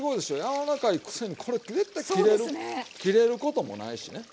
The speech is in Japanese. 柔らかいくせにこれ絶対切れる切れることもないしね。